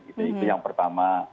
itu yang pertama